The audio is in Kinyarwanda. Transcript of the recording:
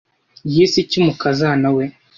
yise iki umukazana we